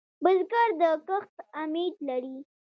بزګر د کښت امید لري